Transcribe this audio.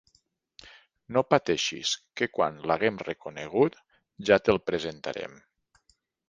No pateixis que quan l'haguem reconegut ja te'l presentarem.